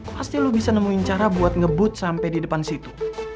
pasti lo bisa nemuin cara buat ngebut sampai di depan situ